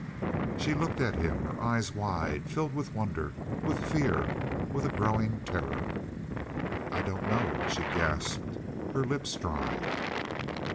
She looked at him, her eyes wide, filled with wonder, with fear, with a growing terror. "I don't know," she gasped, her lips dry.